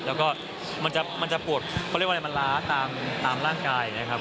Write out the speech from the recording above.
แล้วก็มันจะปวดเขาเรียกว่าอะไรมันล้าตามร่างกายอย่างนี้ครับ